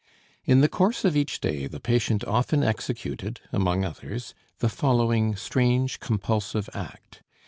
In the course of each day the patient often executed, among others, the following strange compulsive act.